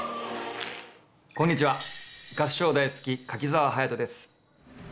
こんにちは合唱大好き柿澤勇人です。